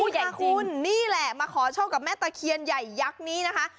คุณนี่แหละมาขอโชคกับแม่ตะเคียนใหญ่ยักษ์นี้นะคะ